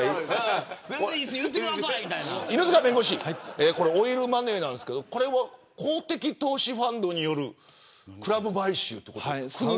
犬塚弁護士オイルマネーなんですがこれは公的投資ファンドによるクラブ買収ということ。